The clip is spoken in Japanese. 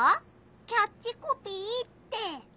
キャッチコピーって？